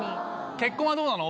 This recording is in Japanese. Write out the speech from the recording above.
「結婚はどうなの？」